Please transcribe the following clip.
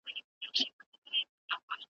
تا له ازله وهلی لنګ وو ,